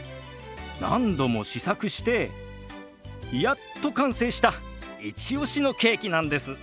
何度も試作してやっと完成したイチオシのケーキなんです。